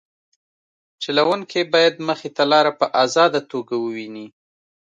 چلوونکی باید مخې ته لاره په ازاده توګه وویني